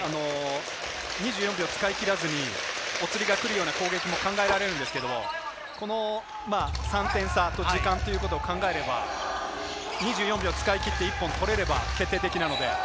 ２４秒を使い切らずに、お釣りがくるような攻撃も考えられるんですが、この３点差と時間を考えれば、２４秒使い切って１本取れれば決定的なので。